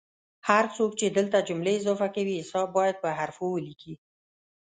هر څوک چې دلته جملې اضافه کوي حساب باید په حوفو ولیکي